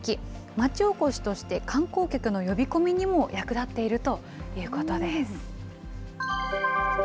町おこしとして観光客の呼び込みにも役立っているということです。